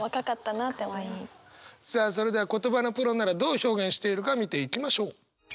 さあそれでは言葉のプロならどう表現しているか見ていきましょう。